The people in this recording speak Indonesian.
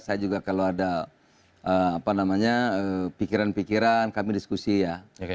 saya juga kalau ada pikiran pikiran kami diskusi ya